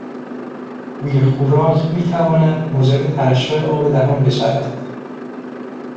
بوی خوراک میتواند موجب ترشح آب دهان بشود.